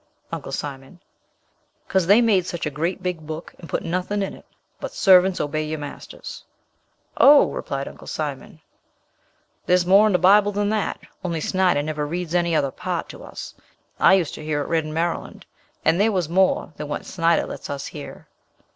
Uncle Simon. "'Cause dey made such a great big book and put nuttin' in it, but servants obey yer masters." "Oh," replied Uncle Simon, "thars more in de Bible den dat, only Snyder never reads any other part to us; I use to hear it read in Maryland, and thar was more den what Snyder lets us hear."